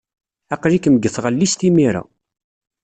Aql-ikem deg tɣellist imir-a.